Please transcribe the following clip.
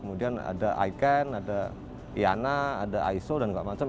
kemudian ada ican ada iana ada iso dan lain lain